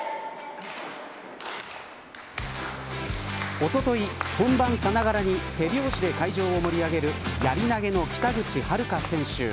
おととい、本番さながらに手拍子で会場を盛り上げるやり投げの北口榛花選手。